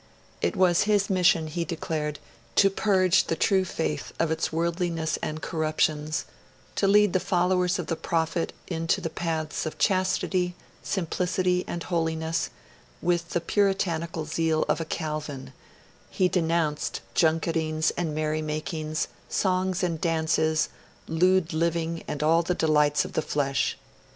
It was his mission, he declared, to purge the true Faith of its worldliness and corruptions, to lead the followers of the prophet into the paths of chastity, simplicity, and holiness; with the puritanical zeal of a Calvin, be denounced junketings and merrymakings, songs and dances, lewd living and all the delights of the flesh.